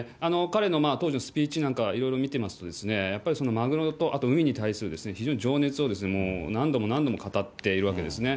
彼の当時のスピーチなんかいろいろ見てますと、やっぱりそのマグロと、海に対する非常に情熱を何度も何度も語っているわけですね。